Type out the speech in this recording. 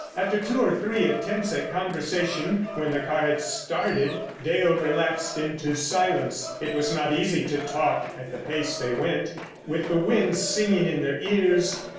After two or three attempts at conversation when the car had started, Dale relapsed into silence. It was not easy to talk at the pace they went, with the wind singing in their ears.